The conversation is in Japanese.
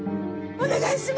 お願いします。